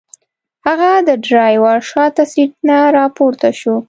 هغه د ډرایور شاته سیټ نه راپورته شو.